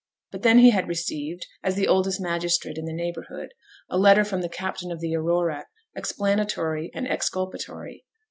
But then he had received, as the oldest magistrate in the neighbourhood, a letter from the captain of the Aurora, explanatory and exculpatory.